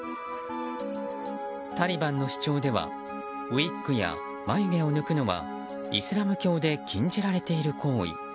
タリバンの主張ではウィッグや、眉毛を抜くのはイスラム教で禁じられている行為。